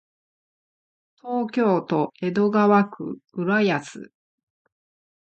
東京都江戸川区浦安